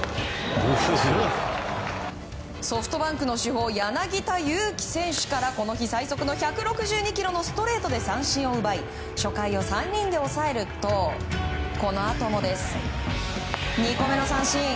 ソフトバンクの主砲柳田選手からこの日最速の１６２キロのストレートで三振を奪い初回を３人で抑えるとこのあとも、２個目の三振。